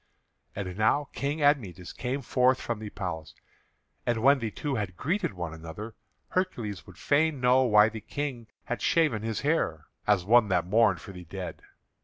And now King Admetus came forth from the palace. And when the two had greeted one another, Hercules would fain know why the King had shaven his hair as one that mourned for the dead.